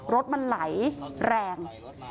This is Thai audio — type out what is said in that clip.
รถมันไหลแรง